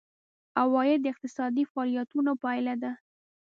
عواید د اقتصادي فعالیتونو پایله ده.